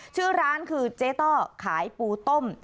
ชื่อร้านคือเจ๊ต้อขายปูต้ม